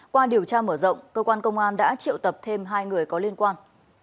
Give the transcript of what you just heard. qua điều tra mở rộng cơ quan công an đã triệu tập thêm hai người có liên quan